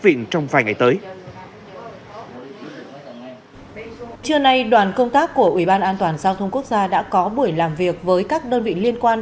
viện trong vài ngày tới trưa nay đoàn công tác của ubnd đã có buổi làm việc với các đơn vị liên quan